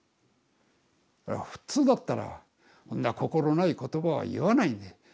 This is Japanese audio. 普通だったらそんな心ない言葉は言わないんだよ。